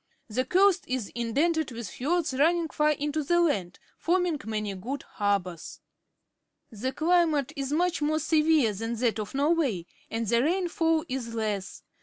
The coast is indented with fiords running far into the land, forming many good harbours. The climate is much more severe than that of Norway, and the rainfall is less.